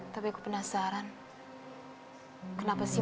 tapi aku tidak tahu apa yang akan terjadi